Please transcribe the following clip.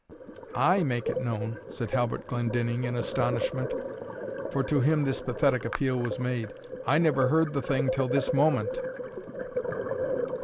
"I make it known?" said Halbert Glendinning, in astonishment, for to him this pathetic appeal was made, "I never heard the thing till this moment."